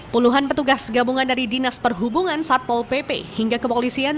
puluhan petugas gabungan dari dinas perhubungan satpol pp hingga kepolisian